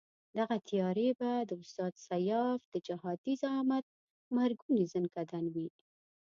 دغه تیاري به د استاد سیاف د جهادي زعامت مرګوني ځنکندن وي.